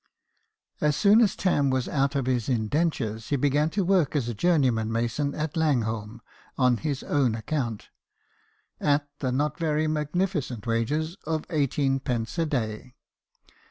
As soon as Tarn was out of his indentures, he began work as a journeyman mason at Langholm on his own account, at the not very magnificent wages of eighteenpence a day.